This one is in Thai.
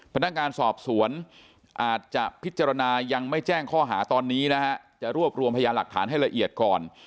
พนักงานสอบสวนอาจจะพิจารณายังไม่แจ้งข้อหาตอนนี้นะฮะจะรวบรวมพยานหลักฐานให้ละเอียดก่อน